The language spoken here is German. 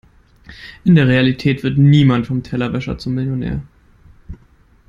In der Realität wird niemand vom Tellerwäscher zum Millionär.